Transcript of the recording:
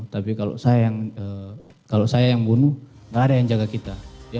tapi kalau saya yang bunuh nggak ada yang jaga kita